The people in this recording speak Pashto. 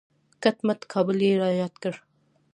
کټ مټ کابل یې را یاد کړ.